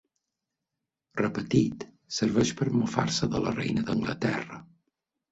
Repetit, serveix per mofar-se de la reina d'Anglaterra.